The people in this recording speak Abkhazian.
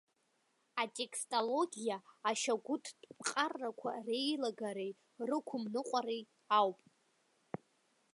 Атекстологиа ашьагәыҭтә ԥҟарақәа реилагареи рықәымныҟәареи ауп.